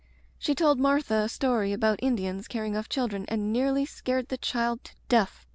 She told Martha a story about Indians carrying off children and nearly scared the child to death.